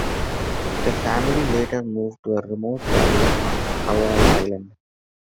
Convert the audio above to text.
The family later moved to a remote valley on Kauai island.